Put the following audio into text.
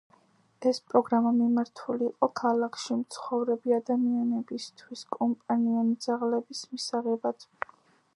ეს პროგრამა მიმართული იყო ქალაქში მცხოვრები ადამიანებისთვის კომპანიონი ძაღლების მისაღებად.